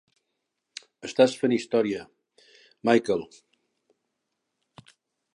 Estàs fent història, Michael.